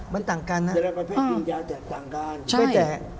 มันต่างกันนะ